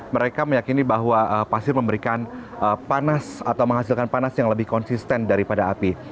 mereka meyakini bahwa pasir memberikan panas atau menghasilkan panas yang lebih konsisten daripada api